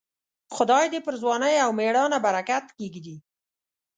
خدای دې پر ځوانۍ او مړانه برکت کښېږدي.